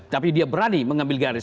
tapi dia berani mengambil garis